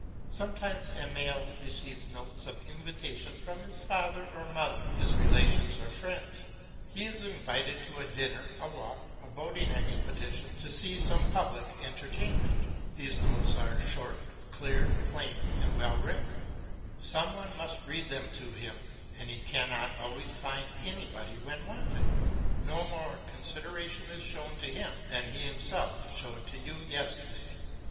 Sometimes Emile receives notes of invitation from his father or mother, his relations or friends; he is invited to a dinner, a walk, a boating expedition, to see some public entertainment. These notes are short, clear, plain, and well written. Some one must read them to him, and he cannot always find anybody when wanted; no more consideration is shown to him than he himself showed to you yesterday.